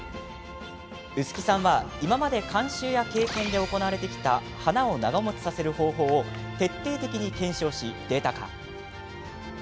薄木さんは今まで慣習や経験で行われてきた花を長もちさせる方法を徹底的に検証し、データ化。